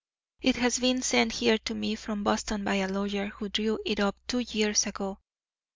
It has been sent here to me from Boston by a lawyer who drew it up two years ago.